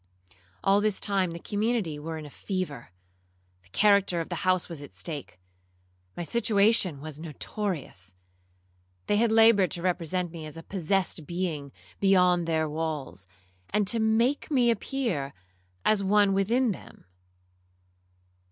All this time the community were in a fever—the character of the house was at stake—my situation was notorious. They had laboured to represent me as a possessed being beyond their walls, and to make me appear as one within them.